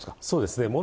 そうですね。